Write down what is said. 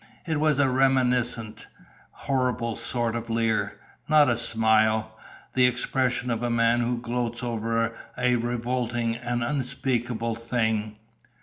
It was a reminiscent, horrible sort of leer, not a smile the expression of a man who gloats over a revolting and unspeakable thing.